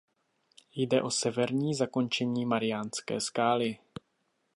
Jde o severní zakončení Mariánské skály.